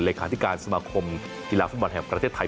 ลีคาทิการสมาคมกีฬาฝุ่นบันแห่งประเทศไทย